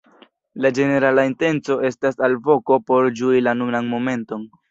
La ĝenerala intenco estas alvoko por ĝui la nunan momenton.